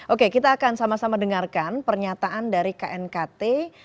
oke kita akan sama sama dengarkan pernyataan dari knkt